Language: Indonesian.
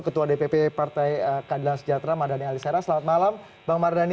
ketua dpp partai kadilan sejahtera mardani alisera selamat malam bang mardhani